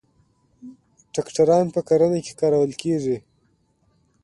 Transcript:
تراکتورونه په کرنه کې کارول کیږي.